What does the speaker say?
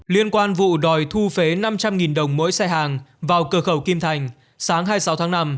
liên quan vụ đòi thu phế năm trăm linh đồng mỗi xe hàng vào cửa khẩu kim thành sáng hai mươi sáu tháng năm